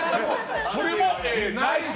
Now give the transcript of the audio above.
それも、ナイス！